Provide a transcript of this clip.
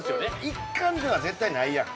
１貫では絶対ないやん